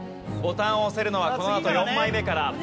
ボタンを押せるのはこのあと４枚目から。